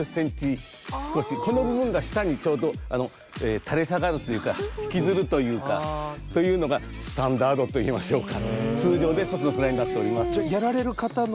この部分が下にちょうど垂れ下がるというかひきずるというか。というのがスタンダードといいましょうか通常ですとそのくらいになっております。